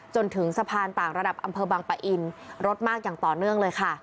จนถึงสะพานต่างระดับอำเภอบังปะอินรถมากอย่างต่อเนื่องเลยค่ะ